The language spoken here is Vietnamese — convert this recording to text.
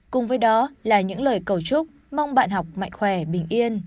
cùng với đó là những lời cầu chúc mong bạn học mạnh khỏe bình yên